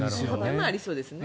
山はありそうですね。